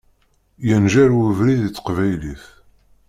Yenǧer webrid i teqbaylit.